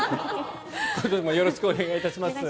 今年もよろしくお願いいたします。